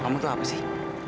kamu tuh apa sih